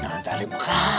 jangan tarik muka